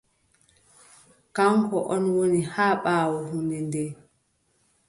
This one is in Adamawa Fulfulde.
Kaŋko ɗon woni haa ɓaawo hunnde nde.